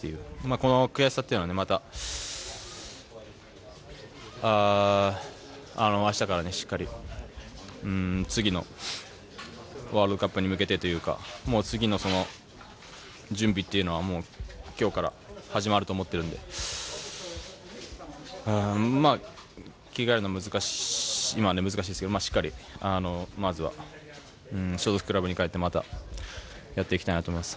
この悔しさというのはまた明日からしっかり次のワールドカップに向けてというか次の準備というのは今日から始まると思っているので切り替えるのは今は難しいですがしっかり所属クラブに帰ってまたやっていきたいと思います。